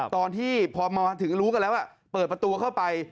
ตอนที่พอมาถึงรู้กันแล้วเปิดประตูเข้าไป